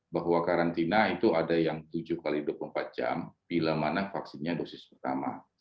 bahwa karantina itu ada yang tujuh x dua puluh empat jam bila mana vaksinnya dosis pertama